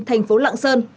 thành phố lạng sơn